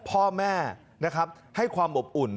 พ่อแม่นะครับให้ความอบอุ่น